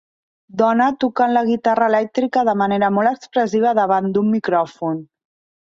Dona tocant la guitarra elèctrica de manera molt expressiva davant d'un micròfon.